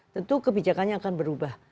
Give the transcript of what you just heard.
tentu kebijakannya akan berubah